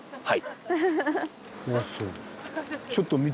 はい。